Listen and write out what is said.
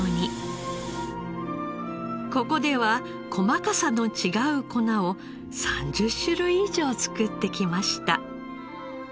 ここでは細かさの違う粉を３０種類以上作ってきました。